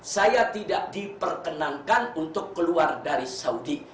saya tidak diperkenankan untuk keluar dari saudi